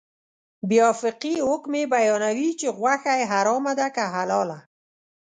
بیا فقهي حکم یې بیانوي چې غوښه یې حرامه ده که حلاله.